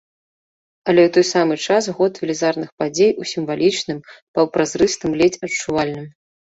Але ў той самы час год велізарных падзей у сімвалічным, паўпразрыстым, ледзь адчувальным.